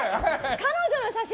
彼女の写真！